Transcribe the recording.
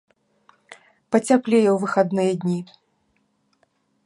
Пацяплее ў выхадныя дні.